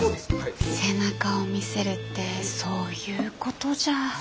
背中を見せるってそういうことじゃ。